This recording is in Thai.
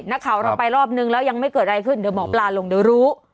นักข่าวเราไปรอบนึงแล้วยังไม่เกิดอะไรขึ้นเดี๋ยวหมอปลาลงเดี๋ยวรู้